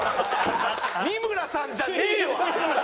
三村さんじゃねえわ！